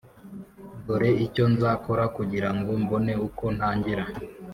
Dore icyo nzakora kugira ngo mbone uko ntangira